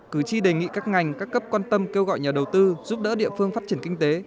cử tri đề nghị các ngành các cấp quan tâm kêu gọi nhà đầu tư giúp đỡ địa phương phát triển kinh tế